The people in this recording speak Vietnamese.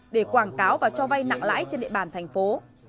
để quảng cáo và cho vay nặng lãi trên địa bàn thành phố